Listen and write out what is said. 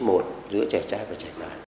năm trên một giữa trẻ trai và trẻ ngoại